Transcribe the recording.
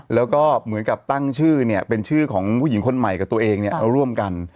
แล้วก็เหมือนกับตั้งชื่อเนี่ยเป็นชื่อของผู้หญิงคนใหม่กับตัวเองเนี่ยร่วมกัน